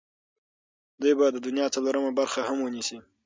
دوی به د دنیا څلورمه برخه هم ونیسي.